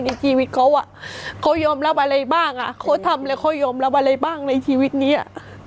ในชีวิตเขาอ่ะเขาเขายอมรับอะไรบ้างอ่ะเขาทำอะไรเขายอมรับอะไรบ้างในชีวิตนี้อ่ะ